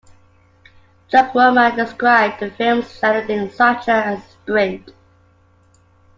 Chuck Workman described the film's editing structure as a sprint.